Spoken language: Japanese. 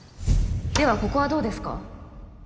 ではここはどうですか？